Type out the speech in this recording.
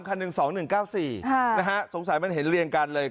คัน๑๒๑๙๔นะฮะสงสัยมันเห็นเรียงกันเลย